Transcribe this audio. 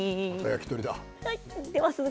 焼き鳥だ。